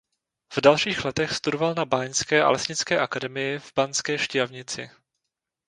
V dalších letech studoval na báňské a lesnické akademii v Banské Štiavnici.